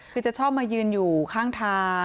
คือจะชอบมายืนอยู่ข้างทาง